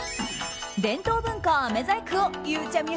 伝統文化あめ細工をゆうちゃみ